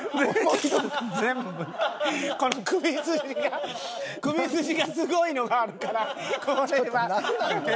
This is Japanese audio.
この首筋が首筋がすごいのがあるからこれはこれはいい。